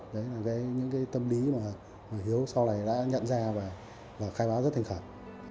đấy là những cái tâm lý mà hiếu sau này đã nhận ra và khai báo rất thành khẩn